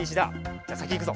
じゃさきいくぞ！